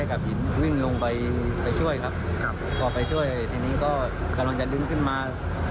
ลเคลิกลงไปแล้วเรารู้นี่เคลื่อนก็ปล่อยค่ะ